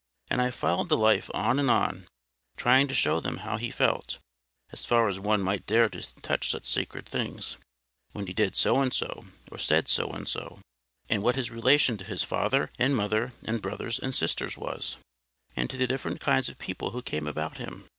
And I followed the life on and on, trying to show them how He felt, as far as one might dare to touch such sacred things, when He did so and so, or said so and so; and what His relation to His father and mother and brothers and sisters was, and to the different kinds of people who came about Him.